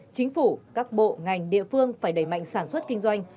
chính phủ các bộ ngành địa phương phải đẩy mạnh sản xuất kinh doanh